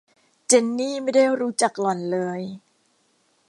เจนนี่ไม่ได้รู้จักหล่อนเลย